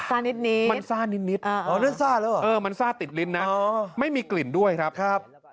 ซ่านิดมันซ่านิดมันซ่าติดลิ้นนะไม่มีกลิ่นด้วยครับ